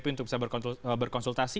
untuk bisa berkonsultasi